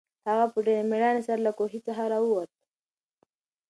هغه په ډېرې مېړانې سره له کوهي څخه راووت.